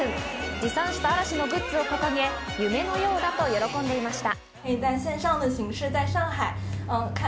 持参した嵐のグッズを掲げ、夢のようだと喜んでいました。